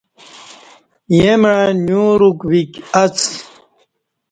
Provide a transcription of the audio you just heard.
ییں مع نیوروک ویک اڅ